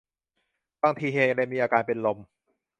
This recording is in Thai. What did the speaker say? บางที เฮเลนมีอาการเป็นลม